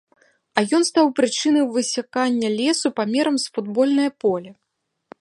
А ён стаў прычынай высякання лесу памерам з футбольнае поле.